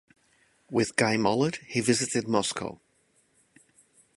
With Guy Mollet, he visited Moscow.